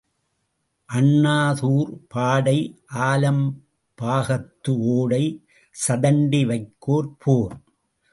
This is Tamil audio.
அண்ணாதூர் பாடை, ஆலம்பாக்கத்து ஓடை, சதண்டி வைக்கோற் போர்.